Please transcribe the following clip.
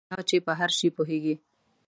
بد بینه سړی څوک دی؟ هغه چې په هر شي پوهېږي.